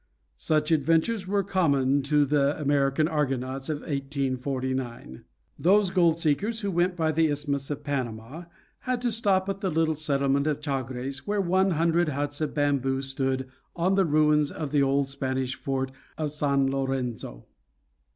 Such adventures were common to the American Argonauts of 1849. Those gold seekers who went by the Isthmus of Panama had to stop at the little settlement of Chagres, where one hundred huts of bamboo stood on the ruins of the old Spanish fort of San Lorenzo.